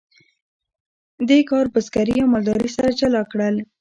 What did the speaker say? دې کار بزګري او مالداري سره جلا کړل.